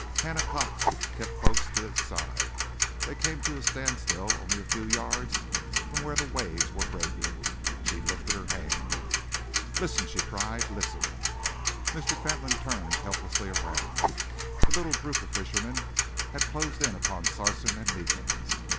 Hannah Cox kept close to its side. They came to a standstill only a few yards from where the waves were breaking. She lifted her hand. "Listen!" she cried. "Listen!" Mr. Fentolin turned helplessly around. The little group of fishermen had closed in upon Sarson and Meekins.